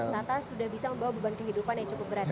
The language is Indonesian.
nata sudah bisa membawa beban kehidupan yang cukup berat